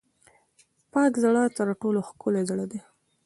پاک زړه تر ټولو ښکلی زړه دی.